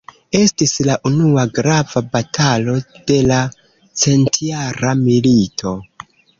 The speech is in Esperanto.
Estis la unua grava batalo de la Centjara milito.